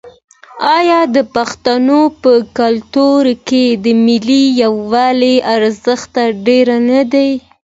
آیا د پښتنو په کلتور کې د ملي یووالي ارزښت ډیر نه دی؟